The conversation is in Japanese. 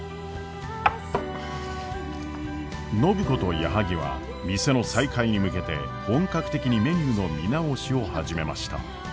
暢子と矢作は店の再開に向けて本格的にメニューの見直しを始めました。